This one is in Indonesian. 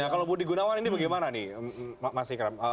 kalau budi gunawan ini bagaimana nih mas ikram